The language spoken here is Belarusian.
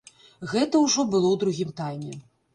Гэта ўжо было ў другім тайме.